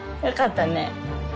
よかったね。